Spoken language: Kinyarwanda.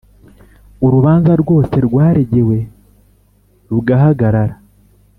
Urubanza rwose rwaregewe rugahagarara